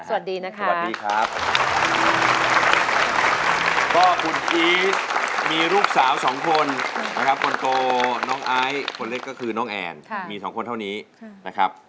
มีลูกสาวสองคนนะครับคนโกน้องไอคนเล็กก็คือน้องแอนมีสองคนเท่านี้นะครับ